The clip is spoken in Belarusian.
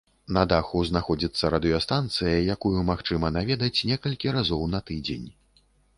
На даху знаходзіцца радыёстанцыя, якую магчыма наведаць некалькі разоў на тыдзень.